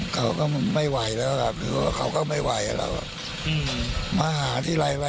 ก็ไม่เป็นไรครับ